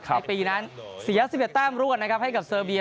ในปีนั้นเสีย๑๑แต้มรวดนะครับให้กับเซอร์เบีย